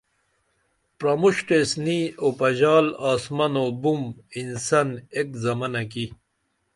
پرموݜٹیس نی اوپژال آسمن او بُم انسن ایک زمنہ کی